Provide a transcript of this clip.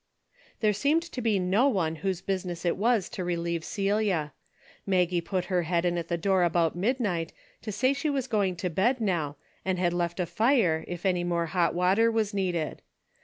There seemed to be no one whose business it was to relieve Celia. Maggie put her head in the door about midnight to say she was going to bed now and had left a fire, if any more hot Avater was needed.